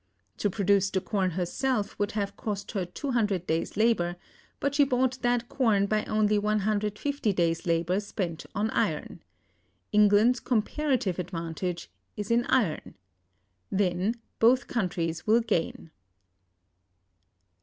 To produce the corn herself would have cost her 200 days' labor, but she bought that corn by only 150 days' labor spent on iron. England's comparative advantage is in iron. Then both countries will gain.